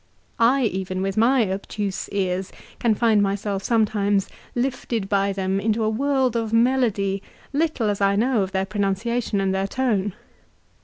I even, with my obtuse ears, can find myself sometimes lifted by them into a world of melody little as I know of their pronunciation and their tone.